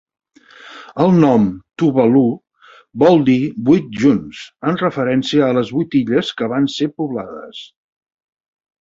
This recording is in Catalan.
El nom "Tuvalu" vol dir "vuit junts", en referència a les vuit illes que van ser poblades.